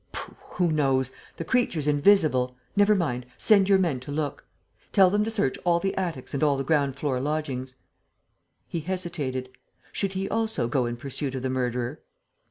"Pooh, who knows? The creature's invisible. Never mind! Send your men to look. Tell them to search all the attics and all the ground floor lodgings." He hesitated. Should he also go in pursuit of the murderer?